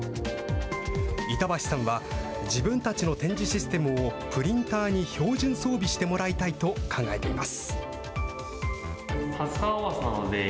板橋さんは、自分たちの点字システムをプリンターに標準装備してもらいたいと考えています。